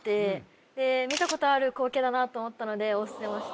見たことある光景だなと思ったので押してました